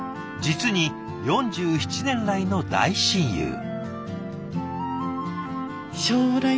実に４７年来の大親友。